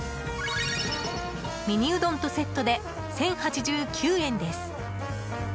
ミニうどんとセットで１０８９円です。